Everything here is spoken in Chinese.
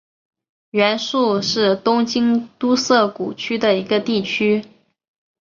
原宿是东京都涩谷区的一个地区。